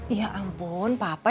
ya ampun papa